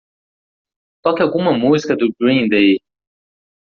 Toque alguma música do Green Day.